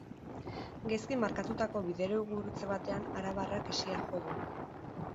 Gaizki markatutako bidegurutze batean arabarrak hesia jo du.